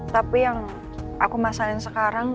tapi yang aku masalin sekarang